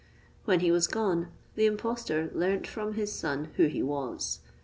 When he was gone, the impostor learnt from his son who he was.